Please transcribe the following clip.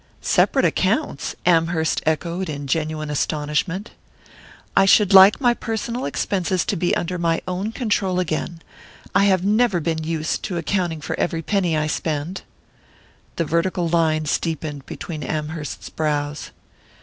"Separate accounts?" Amherst echoed in genuine astonishment. "I should like my personal expenses to be under my own control again I have never been used to accounting for every penny I spend." The vertical lines deepened between Amherst's brows.